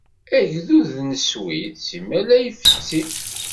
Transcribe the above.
Agdud d n Sswid simmal a ifetti.